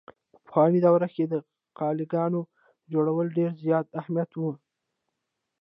په پخواني دور کښې د قلاګانو جوړولو ډېر زيات اهميت وو۔